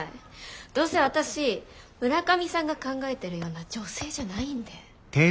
どうせ私村上さんが考えてるような女性じゃないんで。